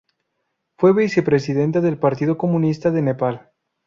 Fue vicepresidenta del Partido Comunista de Nepal.